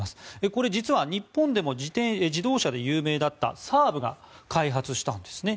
これ、実は日本でも自動車で有名だったＳＡＡＢが開発したんですね。